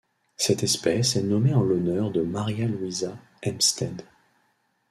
Cette espèce est nommée en l'honneur de Maria Luisa Hempstead.